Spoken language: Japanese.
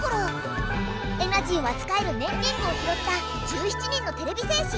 エナジーをあつかえる「ねんリング」をひろった１７人のてれび戦士。